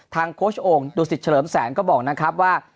โค้ชโอ่งดูสิตเฉลิมแสนก็บอกนะครับว่า